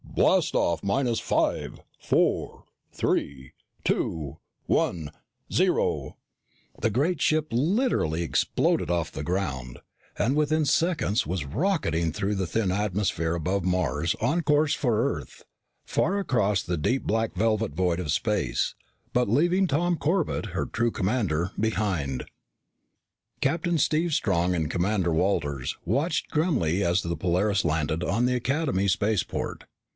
"Blast off, minus five, four, three, two, one, zero!" The great ship literally exploded off the ground, and within seconds, was rocketing through the thin atmosphere above Mars on course for Earth, far across the deep black velvet void of space, but leaving Tom Corbett, her true commander, behind. Captain Steve Strong and Commander Walters watched grimly as the Polaris landed on the Academy spaceport.